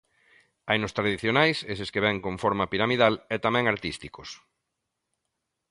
Hainos tradicionais, eses que ven con forma piramidal, e tamén artísticos.